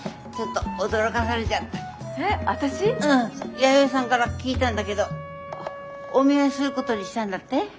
弥生さんから聞いたんだけどお見合いすることにしたんだって？